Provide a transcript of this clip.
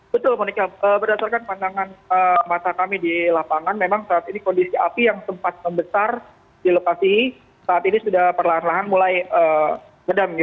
betul monika berdasarkan pandangan mata kami di lapangan memang saat ini kondisi api yang sempat membesar di lokasi saat ini sudah perlahan lahan mulai medam